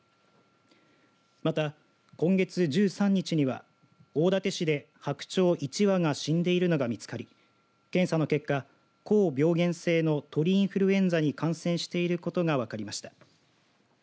また今月１３日には、大館市で白鳥１羽が死んでいるのが見つかり検査の結果、高病原性の鳥インフルエンザに感染していることが分かりました。